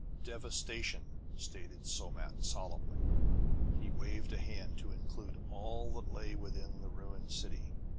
"Devastation!" stated Somat solemnly. He waved a hand, to include all that lay within the ruined city.